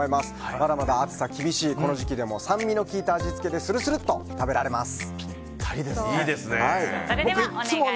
まだまだ暑さ厳しいこの時期でも酸味の効いた味付けでスルスルと食べられます！